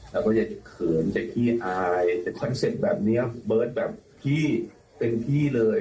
แล้วก็อย่าเขินอย่าขี้อายแต่คอนเซ็ปต์แบบนี้เบิร์ตแบบพี่เต็มที่เลย